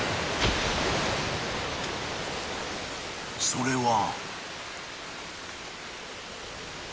［それは］